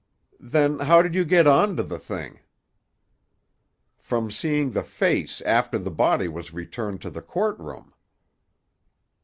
"Then how did you get on to the thing?" "From seeing the face after the body was returned to the court room."